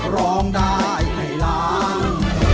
ร้องได้ให้ล้าน